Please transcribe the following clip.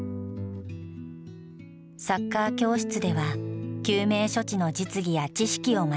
サッカー教室では救命処置の実技や知識を学ぶ講習会を開催。